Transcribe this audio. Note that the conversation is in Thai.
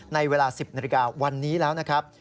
ในเวลา๑๐นาฬิกาวันนี้แล้วนะครับ